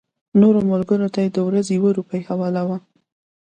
نورو ملګرو ته یې د ورځې یوه روپۍ حواله وه.